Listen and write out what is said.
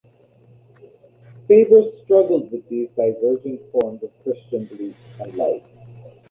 Faber struggled with these divergent forms of Christian beliefs and life.